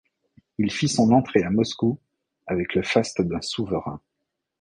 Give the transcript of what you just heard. Il fit son entrée à Moscou avec le faste d'un souverain.